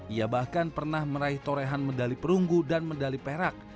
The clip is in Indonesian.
ia bahkan pernah meraih torehan medali perunggu dan medali perak